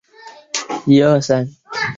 黄花蔺为花蔺科黄花蔺属下的一个种。